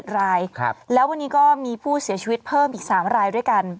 ๗รายแล้ววันนี้ก็มีผู้เสียชีวิตเพิ่มอีก๓รายด้วยกัน